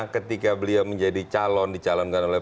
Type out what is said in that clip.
ketika beliau menjadi calon dicalonkan oleh